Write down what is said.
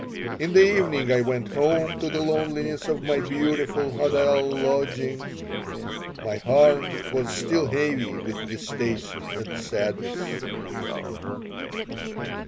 In the evening I went home, to the loneliness of my beautiful hotel lodgings. My heart was still heavy with distaste and sadness.